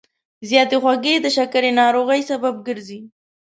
زیاتې خوږې د شکر ناروغۍ سبب ګرځي.